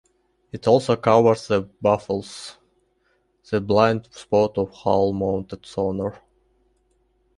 It also covers the baffles, the blind spot of hull mounted sonar.